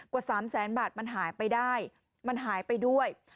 กว่า๓แสนบาทมันหายไปได้มันหายไปด้วย